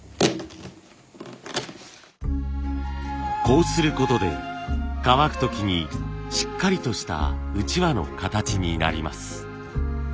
こうすることで乾く時にしっかりとしたうちわの形になります。